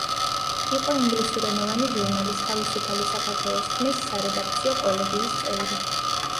იყო ინგლისურენოვანი ჟურნალის, „თავისუფალი საქართველოს ხმის“ სარედაქციო კოლეგიის წევრი.